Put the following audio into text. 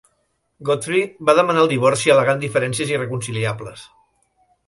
Godfrey va demanar el divorci, al·legant diferències irreconciliables.